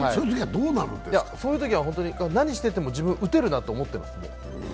そういうときは何してても自分、打てるなと思ってます。